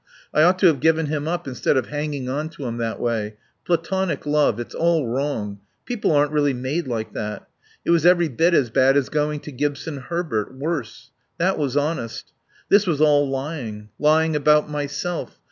I ought to have given him up instead of hanging on to him that way. Platonic love It's all wrong. People aren't really made like that. It was every bit as bad as going to Gibson Herbert.... Worse. That was honest. This was all lying. Lying about myself.